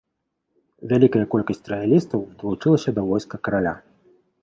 Вялікая колькасць раялістаў далучылася да войска караля.